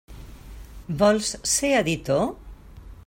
Vols ser editor?